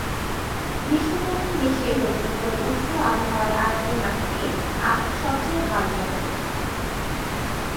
গ্রীষ্মপ্রধান দেশের রৌদ্রোজ্জ্বল উষ্ণ আবহাওয়ায় আর্দ্র মাটিতে আখ সবচেয়ে ভাল জন্মে।